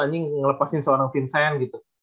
ngelepasin seorang vincent gitu